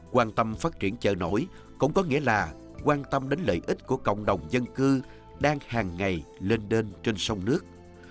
quan tâm phát triển chợ nổi cũng có nghĩa là quan tâm đến lợi ích của cộng đồng dân cư đang hàng ngày lên đên trên sông nước